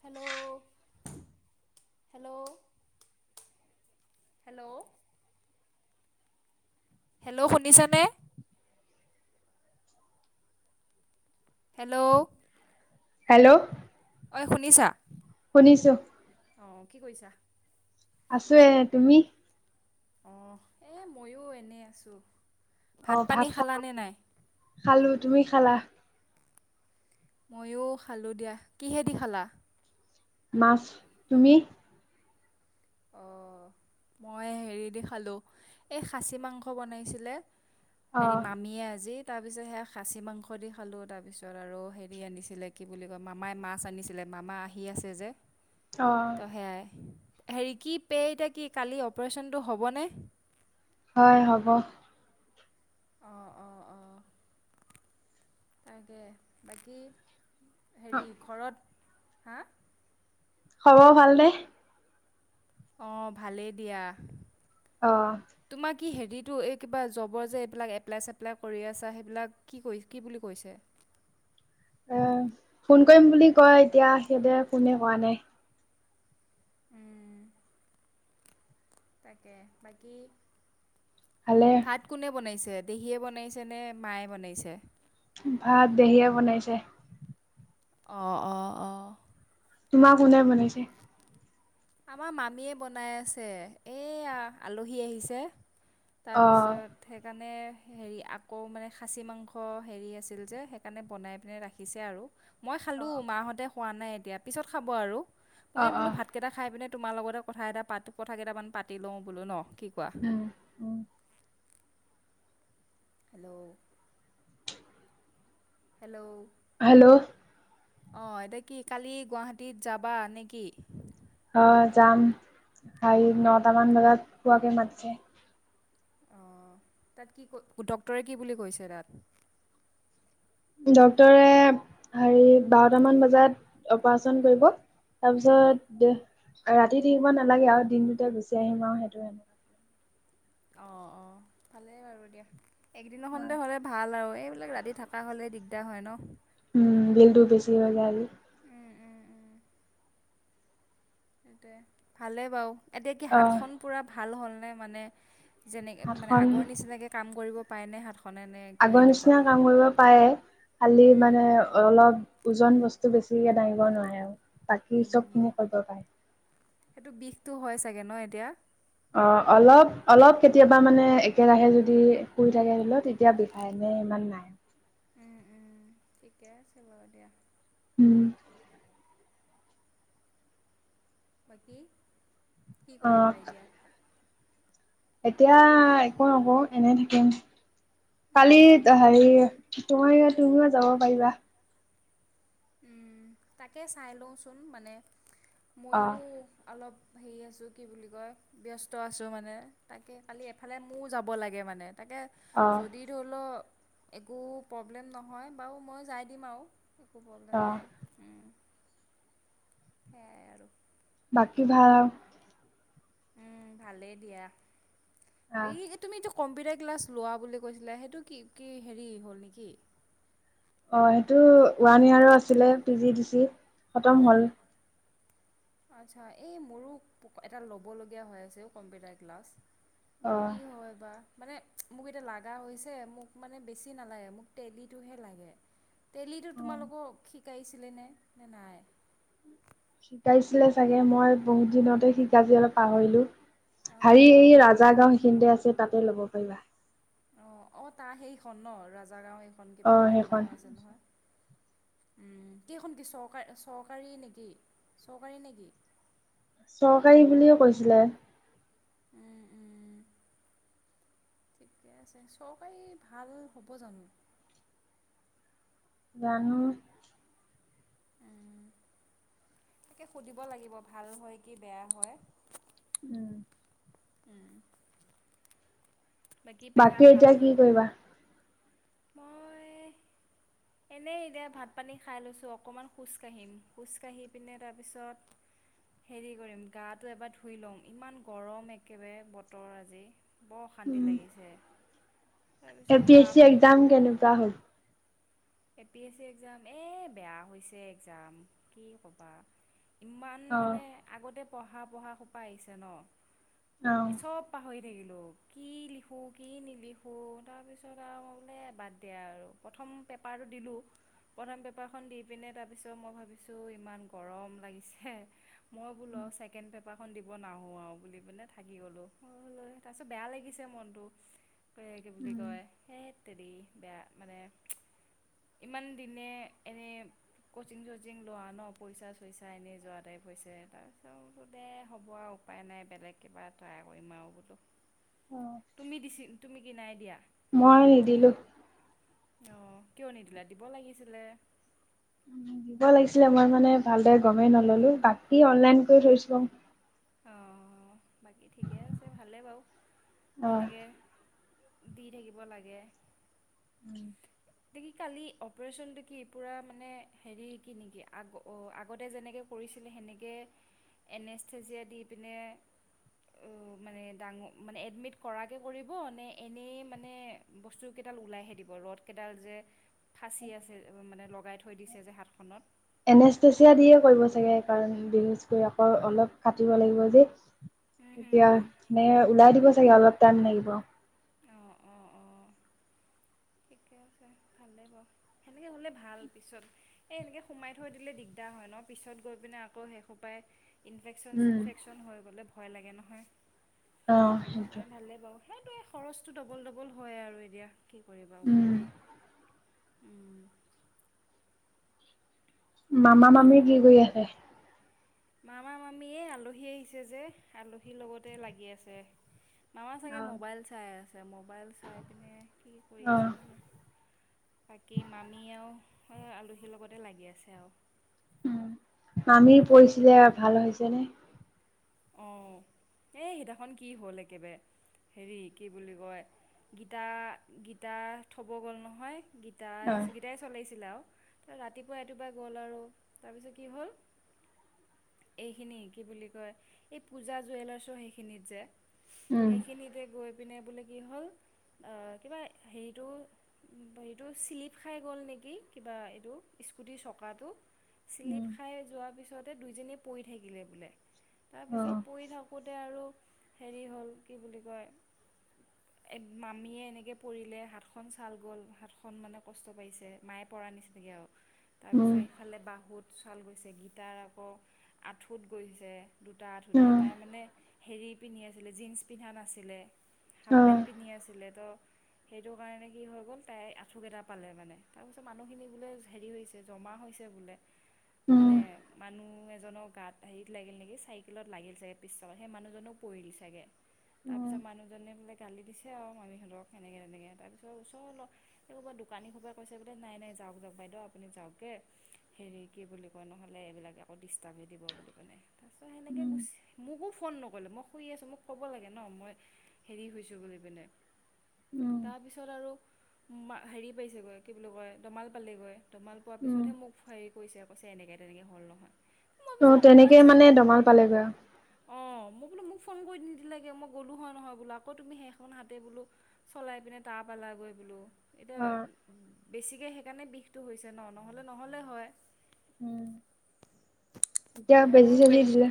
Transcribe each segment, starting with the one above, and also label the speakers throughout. Speaker 1: Hello hello. Hello. Hello শুনিছানে? Hello.
Speaker 2: Hello.
Speaker 1: অ ঐ শুনিছা।
Speaker 2: শুনিছোঁ।
Speaker 1: অহ কি কৰিছা?
Speaker 2: আছো এই তুমি?
Speaker 1: অহ, এই ময়ো এনেই আছোঁ।
Speaker 2: অ',
Speaker 1: পানী
Speaker 2: ভাত খাল
Speaker 1: খালানে নাই
Speaker 2: খালো তুমি খালা।
Speaker 1: ময়ো খালোঁ দিয়া, কিহেদি খালা?
Speaker 2: মাছ, তুমি?
Speaker 1: অহ। মই হেৰি দি খালোঁ এই খাচী মাংস বনাইছিলে।
Speaker 2: অ
Speaker 1: হেৰি মামীয়ে আজি তাৰপিছত সেয়া খাচী মাংস দি খালোঁ তাৰপিছত আৰু হেৰি আনিছিলে কি বুলি কয় মামাই মাছ আনিছিলে মামা হি আছে যে
Speaker 2: অ
Speaker 1: ত সেয়াই হেৰি কি পে এতিয়া কি কালি অপাৰেচনটো হ'বনে?
Speaker 2: হয় হ'ব।
Speaker 1: অ', অ'। তাকে বাকী হেৰি ঘৰত হা।
Speaker 2: খবৰ ভাল নে?
Speaker 1: অ', ভালেই দিয়া।
Speaker 2: অ'।
Speaker 1: তোমাৰ কি হেৰিটো এই কিবা জবৰ যে এইবিলাক এপ্লাই চেপ্লাই কৰি আছা সেইবিলাক কি কৈ কি বুলি কৈছে।
Speaker 2: অ', ফোন কৰিম বুলি কয় এতিয়া সিহঁতে ফোনে কৰা নাই।
Speaker 1: উম। তাকে বাকী
Speaker 2: ভালে।
Speaker 1: ভাত কোনে বনাইছে পেহীয়ে বনাইছে নে মায়ে বনাইছে?
Speaker 2: ভাত পেহীয়ে বনাইছে।
Speaker 1: অ', অ', অ'।
Speaker 2: তোমাক কোনে বনাইছে?
Speaker 1: আমাৰ মামীয়ে বনাই আছে, এইয়া আলহী আহিছে
Speaker 2: অ
Speaker 1: তাৰপিছত সেইকাৰণে হেৰি আকৌ মানে খাচী মাংস হেৰি আছিল যে সেইকাৰণে বনাই পিনে ৰাখি ছে আৰু মই
Speaker 2: অ
Speaker 1: খালোঁ মাহঁতে খোৱা নাই এতিয়া পিছত খাব আৰু
Speaker 2: অ
Speaker 1: মই
Speaker 2: অ
Speaker 1: বোলো ভাতকেইটা খাই পিনে তোমাৰ লগতে কথা এটা পাতো কথা কেইটামান পাতি লওঁ বোলো নে কি কোৱা।
Speaker 2: উম উম
Speaker 1: হেল্ল', হেল্ল',
Speaker 2: হেল্ল',
Speaker 1: অ, এতিয়া কি কালি গুৱাহাটীত যাবা নেকি?
Speaker 2: অ, যাম কালি নটামান বজাত পোৱাকে মাতছে?
Speaker 1: অ, তাত কি কৈ ডাক্তৰে কি বুলি কৈছে তাত?
Speaker 2: ডক্তৰে হেৰি বাৰটামান বজাত অপাৰেচন কৰিব। তাৰ পিছত ৰাতি থাকিব নালাগে আৰু দিন দুতে গুচি আহিম আৰু সেইটোক।
Speaker 1: অ, অ, ভালেই বাৰু দিয়া। একদিনাখনতে হ'লে ভাল আৰু। এইবিলাক ৰাতি থকা হ'লেই দিগদাৰ হয় ন।
Speaker 2: উম, বিলটো বেছি হৈ যায় আৰু।
Speaker 1: উম, উম, উম, ভালেই বাৰু এতিয়া কি
Speaker 2: অ
Speaker 1: হাতখন পোৰা ভাল হ'লনে মানে, যেনেকে মানে
Speaker 2: হাতখন
Speaker 1: আগৰ নিচিনাযে কাম কৰিব পায়নে হাতখনে নে? কি
Speaker 2: আগৰ
Speaker 1: এনেকুৱা
Speaker 2: নিচিনা কাম কৰিব পাৰে। খালি
Speaker 1: উম।
Speaker 2: মানে অলপ ওজন বস্তু বেছিকে দাঙিব নোৱাৰে আৰু বাকী
Speaker 1: উম,
Speaker 2: চবখিনি কৰিব পাৰে।
Speaker 1: সেইটো বিষটো হয় চাগে ন এতিয়া?
Speaker 2: অ, অলপ-অলপ কেতিয়াবা মানে একেৰাহে যদি শুই থাকে ধৰি লও তেতিয়া বিষাই। এনে ইমান নাই।
Speaker 1: উম, উম, ঠিকে আছে বাৰু দিয়া।
Speaker 2: উম,
Speaker 1: বাকী কি
Speaker 2: অ
Speaker 1: কৰিবা এতিয়া?
Speaker 2: এতিয়া একো নকওঁ এনে থাকিম।
Speaker 1: উম উম।
Speaker 2: কালিত হেৰি তোমাৰ তুমিও যাব পাৰিবা।
Speaker 1: তাকে চাই লওঁচোন, মানে
Speaker 2: অ',
Speaker 1: ময়ো অলপ হেৰি আছোঁ, কি বুলি কয়? ব্যস্ত আছোঁ, মানে তাকে কালি এফালে মোৰো যাব লাগে। মানে তাকে
Speaker 2: অ',
Speaker 1: যদি ধৰি লওক একো প্ৰব্লেম নহয় বাৰু মই যায় দিম আৰু। একো প্ৰব্লেম
Speaker 2: অ',
Speaker 1: নাই। উম, সেয়া আৰু।
Speaker 2: বাকী ভাল?
Speaker 1: উম, ভালেই দিয়া।
Speaker 2: আহ।
Speaker 1: তুমিতো কম্পিউটাৰ ক্লাছ লোৱা বুলি কৈছিলে সেইটো কি-কি হেৰি হ'ল নেকি?
Speaker 2: অ, সেইটো ওৱান ইয়াৰৰ আছিলে পি জি ডি চি খতম
Speaker 1: অঁ
Speaker 2: হ'ল।
Speaker 1: আচ্ছা, এই মোৰো এটা ল'বলগীয়া হৈ আছে কম্পিউটাৰ ক্লাছ।
Speaker 2: অ'।
Speaker 1: কি হয় বা? মানে মোক এতিয়া লাগা হৈছে মোক মানে বেছি নালাগে মোক তেলিটোহে লাগে। তেলিটো
Speaker 2: অ',
Speaker 1: তোমালোকক শিকাইছিলেনে নে নাই?
Speaker 2: শিকাইছিলে চাগে মই বহুত দিনতে শিকাই যি অলপ পাহৰিলো।
Speaker 1: অঁ
Speaker 2: হেৰি
Speaker 1: অঁ
Speaker 2: এই ৰাজা গাও সেইখিনিতে আছে তাতে ল'ব পাৰিবা।
Speaker 1: অ, অ, তাৰ সেইখন ন ৰাজা গাঁও সেইখন কিবা
Speaker 2: অ',
Speaker 1: নাম
Speaker 2: সেইখন।
Speaker 1: এখন আছিল নহয়। উম, সেইখন কি চৰকাৰ চৰকাৰী নেকি, চৰকাৰী নেকি?
Speaker 2: চৰকাৰী বুলিয়ে কৈছিলে?
Speaker 1: উম, উম, ঠিকে আছে। চৰকাৰী ভাল হ'ব জানো?
Speaker 2: জানো?
Speaker 1: তাকে, সুধিব লাগিব? ভাল হয় কি বেয়া হয়?
Speaker 2: উম,
Speaker 1: উম, পেহা
Speaker 2: বাকী,
Speaker 1: ভাল
Speaker 2: এতিয়া কি কৰিবা?
Speaker 1: মই
Speaker 2: [unintelligible]
Speaker 1: এনেই এতিয়া ভাত পানী খাই লৈছোঁ, অকণমান খোজকাাঢ়িম খোজকাাঢ়ি পিনে তাৰপিছত হেৰি কৰিম গাটো এবাৰ ধুই ল'ম, ইমান গৰম একেবাৰে বতৰ আজি। বৰ অশান্তি
Speaker 2: উম।
Speaker 1: লাগিছে।
Speaker 2: এ
Speaker 1: তাৰপিছত
Speaker 2: পি এছ
Speaker 1: গা
Speaker 2: চি এক্জাম কেনেকুৱা হল?
Speaker 1: এ পি এছ চি এক্জাম এই বেয়া হৈছে, এক্জাম কি ক'বা। ইমান
Speaker 2: অ',
Speaker 1: মানে, আগতে পঢ়া পঢ়া সোপা আহিছে ন'
Speaker 2: অ'।
Speaker 1: চব পাহৰি থাকিলোঁ, কি লিখোঁ, কি নিলিখোঁ, তাৰপিছত আৰু মই বোলে বাদ এতিয়া আৰু প্ৰথম পেপাৰটো দিলোঁ প্ৰথম পেপাৰখন দি পিনে তাৰপিছত মই ভাবিছোঁ, ইমান গৰম লাগিছে মই বোলো আৰু চছেকেণ্ড পেপাৰ খন দিব নাহোঁ আৰু বুলি পানে থাকি গ'লোঁ, তাৰপিছত বেয়া লাগিছে মনটো, কি বুলি কয় তেৰি বেয়া মানে, ইমান দিনে এনেই কচিং চচিং লোৱা ন', পইচা চইচা এনেই যোৱা টাইপ হৈছে তাৰপিছটো দে হ'ব আৰু উপায় নাই, বেলেগ কিবা ট্ৰাই কৰিম আৰু বোলো।
Speaker 2: অঁ।
Speaker 1: তুমি দিছ, তুমি কি নাই দিয়া?
Speaker 2: মই নিদিলোঁ।
Speaker 1: অঁ, কিয় নিদিলা, দিব লাগিছিলে।
Speaker 2: লাগিছিলে মই মানে, ভালদৰে গমেই নল'লো বাকী অনলাইন কৰি থৈছোঁ।
Speaker 1: অঁ', বাকী ঠিকে আছে, ভালেই বাৰু
Speaker 2: অ',
Speaker 1: সেনেকৈ। দি থাকিব লাগে।
Speaker 2: উম।
Speaker 1: কি কালি অপাৰেচনটো কি, পূৰা মানে হেৰি কি নেকি, আগ অ আগতে যেনেকৈ কৰিছিলে সেনেকৈ এনেষ্টেজিয়ে দি পিনে মানে ডাঙৰ, মানে এডমিট কৰাকৈ কৰিব নে, এনেই মানে বস্তু কেইডাল ওলাইহে দিব, ৰ'দ কেইডাল যে ফাচি আছে মানে লগাই থৈ দিছে যে হাতখনত।
Speaker 2: এনেচিয়া [unintelligible] দিয়ে কৰিব চাগে কাৰণ বিহজ কৰি আকৌ অলপ কাটিব লাগিব যে।
Speaker 1: হুম হুম
Speaker 2: এতিয়া
Speaker 1: হুম
Speaker 2: নে, ওলাই দিব চাগে অলপ টাইম লাগিব।
Speaker 1: অ' অ' অ'। ঠিকে আছে ভালেই বাৰু, সেনেকৈ হ'লে ভাল পিছত। এই এনেকৈ সোমাই থৈ দিলে দিগদাৰ হয় ন', পিছত গৈ পিনে আকৌ শেইসোপাই ইনফেকশ্যন
Speaker 2: উম।
Speaker 1: চিনফেকশচন হৈ গ'লে ভয় লাগে নহয়, সেইটো কাৰণে ভালেই বাৰু হে খৰচটো ডবল ডবল হয় আৰু, এতিয়া কি কৰিবা উপায়
Speaker 2: উম,
Speaker 1: নাই। উম,
Speaker 2: মামা
Speaker 1: বাকী বিষ
Speaker 2: মামী কি কৰি আছে?
Speaker 1: মামা মামীয়েই আলহী আহিছে যে আলহীৰ লগতে লাগি আছে। মামা চাগে
Speaker 2: অ'।
Speaker 1: মোবাইল চাই আছে মোবাইল চাই পিনে কি কৰি
Speaker 2: অ',
Speaker 1: আছেনো বাকী মামী আৰু আলহীৰ লগতে লাগি আছে আৰু।
Speaker 2: উম, মামী পৰিছিলে ভাল হৈছে নে? [unintelligible]
Speaker 1: এ সেইদিনাখন কি হ'ল একেবাৰে। হেৰি কি বুলি কয়, গীতা, গীতা থ'ব গ'ল নহয় গী গটাই
Speaker 2: অ',
Speaker 1: [unintelligible] গেইটাই চলাইছিলে আৰু ৰাতিপুৱা ৰাতিপুৱাই গ'ল আৰু তাৰপিছত কি হ'ল এইখিনি কি বুলি কয় এই পূজা জুৱেলাৰছো সেইখিনিত যে,
Speaker 2: উম।
Speaker 1: সেইখিনিতে গৈ পিনে বোলে কি হ'ল কিবা হেৰিটো এইটো শ্লিপ খাই গ'ল নেকি, কিবা এইটো স্কুটিৰ চকাটো
Speaker 2: উম,
Speaker 1: শ্লিপ খাই যোৱাৰ পিছতে দুইজনীয়ে পৰি থাকিলে বোলে। তাৰপিছত
Speaker 2: অ'।
Speaker 1: পু থাকোঁতে আৰু হেৰি হ'ল কি বুলি কয়
Speaker 2: [inaudible]
Speaker 1: মামীয়ে এনেকৈ পৰিলে হাতখন ছাল গ'ল হাতখন মানে কষ্ট পাইছে মায়ে পৰা নিচিনাকৈ আৰু
Speaker 2: [inaudible]
Speaker 1: তাৰপিছত এইফালে বাঁহুত চাল গৈছে গীটাৰ আকৌ আঁঠুত গৈছে দুটা আঁঠোতে
Speaker 2: উম
Speaker 1: তাই মানে হেৰি পিন্ধি আছিলে জীন্স পিন্ধা নাছিলে। হাফ পেণ্ট
Speaker 2: অ'
Speaker 1: পিন্ধি আছিলে তো সেইটোৰ কাৰণে কি হৈ গ'ল তাইৰ আঁঠুক এটা পালে মানে তাৰপিছত মানুহখিনি বোলে হেৰি হৈছে জমা হৈছে বোলে
Speaker 2: উম
Speaker 1: মানে মানুহ এজনৰ গাত হেৰিত লাগিল নেকি চাইকেলত লাগিল চাগে পিছালত সেই মানুহজননেও পৰি দি চাগৈ
Speaker 2: উম
Speaker 1: তাৰপিছত মানুহজনে বোলে গালি দিছে আৰু মামীহঁতক সেনেকে তেনেকে তাৰপিছৰ ওচৰপ এই ক'ৰবাত দোকানী খোবাই কৈছে বোলে নাই নাই যাওক বাইদেউ আপুনি যাওকেগে হেৰি কি বুলি কয় নহ'লে এইবিলাক আকৌ ডিষ্টাৰ্বহে দিব বুলি ক'লে তাৰপিছত সেনেকে
Speaker 2: উম
Speaker 1: গুচি মোকো ফোন নকৰিলে মই শুই আছোঁ মোক ক'ব লাগে ন মই হেৰি হৈছোঁ বুলি পিনে
Speaker 2: উম
Speaker 1: তাৰপিছত আৰু হেৰি পাইছেগৈ কি বুলি কয় দমাল পালেগৈ দমাল পোৱাৰ
Speaker 2: উম
Speaker 1: পিছতহে মোক হেৰি কৰিছে কৈছে এনেকৈ তেনেকৈ হ'ল নহয়। মই পিছত
Speaker 2: ত'
Speaker 1: অকণমান
Speaker 2: তেনেকে মানে
Speaker 1: চাগে আৰু
Speaker 2: দমাল পালেগৈ
Speaker 1: অঁ মই বোলো মোক ফোন কৰি নিদিলা কিয় মই গ'লো হয় নহয় বোল আকৌ তুমি সেইখন হাতে বোলো চলাই পিনে তা পালা গৈ বোলো এতিয়া
Speaker 2: অ'
Speaker 1: বেছিকৈ সেইকাৰণে বিষটো হৈছে ন নহ'লে নহ'লে হয়
Speaker 2: উম। এতিয়া বেজী চেজী দিলে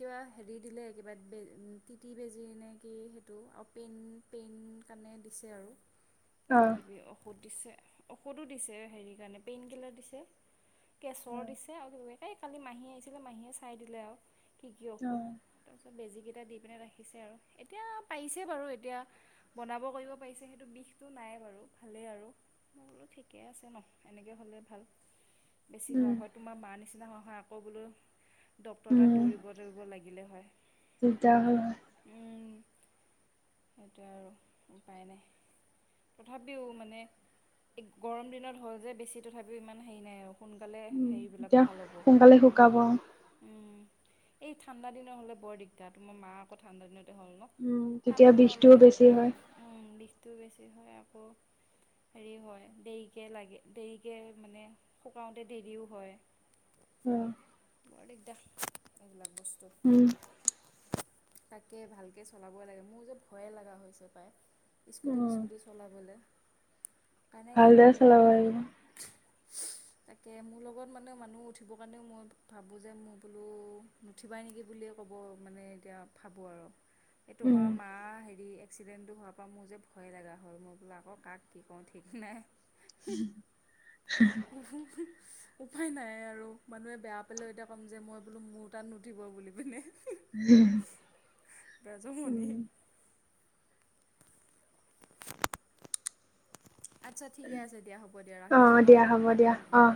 Speaker 1: কিবা হেৰি দিলে কিবা বে তিতি বেজী নে কি সেইটো আৰু পেইন পেইন কাৰণে দিছে আৰু
Speaker 2: [unintelligible]
Speaker 1: কিবা কিবি ঔষধ দিছে ঔষধো দিছে হেৰি কাৰণে পেইন কিলাৰ দিছে কেছৰ
Speaker 2: অ'
Speaker 1: দিছে আৰু কালি মাহী আহিছিলে মাহীয়ে চাই দিলে আৰু কি কি ঔষধ
Speaker 2: অ'
Speaker 1: তাৰপিছত বেজীকেইটা দি পিনে ৰাখিছে আৰু এতিয়া পাইছে বাৰু এতিয়া বনাব কৰিব পাৰিছে সেইটো বিষটো নাই বাৰু ভালেই আৰু মই বোলো ঠিকে আছে ন এনেকে হ'লে ভাল বেছি
Speaker 2: উম
Speaker 1: হোৱা হয় তোমাৰ মাৰ নিচিনা অহায় আকৌ বলো ডক্তৰ তাত
Speaker 2: উম
Speaker 1: দৌৰিব দৌৰিব লাগিলে হয়
Speaker 2: দিগদাৰ হয়।
Speaker 1: সেইটোৱে আৰু উপায় নাই তথাপিও মানে এই গৰম দিনত হ'ল যে বেছি তথাপিও ইমান হেৰি নাই আৰু সোনকালে
Speaker 2: উম
Speaker 1: হেৰিবিলাক
Speaker 2: এতিয়া
Speaker 1: ভাল হ'ব
Speaker 2: সোনকালে
Speaker 1: উম
Speaker 2: শুকাব
Speaker 1: এই ঠাণ্ডাদিনৰ হ'লে বৰ দিগদাৰ তো মাৰ মা আকৌ ঠাণ্ডা দিনতে হ'ল ন
Speaker 2: উম তেতিয়া
Speaker 1: ঠাণ্ডা দিনত
Speaker 2: বিষটোও
Speaker 1: হ'লে
Speaker 2: বেছি হয়
Speaker 1: বিষটোও বেছি হয় আকৌ হেৰি হয় দেৰিকৈ লাগে দেৰিকৈ মানে শুকাওঁতে দেৰিও হয়।
Speaker 2: উম।
Speaker 1: বৰ দিগদাৰ এইবিলাক বস্তু
Speaker 2: [inaudible]
Speaker 1: তাকে ভালকে চলাব লাগে মোৰ যে ভয়ে লগা হৈছে পায় স্কুটি
Speaker 2: উম
Speaker 1: বিস্কুটি চলাবলৈ
Speaker 2: [unintelligible]
Speaker 1: কেনেকে কি?
Speaker 2: চলাব লাগিব
Speaker 1: তাকে মোৰ লগত মানে মানুহ উঠিবৰ কাৰণেও মই ভাবোঁ যে মোক বোলো, নুঠিবাই নেকি বুলিয়ে ক'ব মানে, এতিয়া ভাবোঁ আৰু। এই
Speaker 2: উম
Speaker 1: তোমাৰ মা হেৰি এক্সিডেণ্টটো হোৱাৰ পৰা মোৰ যে ভয় লগা হ'ল, মই বোলো আকৌ কাক কি কৰো ঠিক নাই। উপায় নাই আৰু মানুহে বেয়া পালেও এতিয়া কম যে মই বোলো মোৰ তাত নুঠিব বুলি পিনে
Speaker 2: উম।
Speaker 1: বেজমনি আচ্ছা ঠিকে আছে দিয়া হ'ব দিয়া
Speaker 2: অ'
Speaker 1: ৰাখিছোঁ ন'।
Speaker 2: দিয়া হ'ব দিয়া অ'